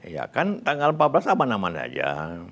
ya kan tanggal empat belas apa namanya aja